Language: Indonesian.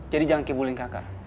jadi jangan kibulin kakak